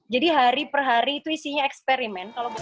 jadi hari per hari itu isinya eksperimen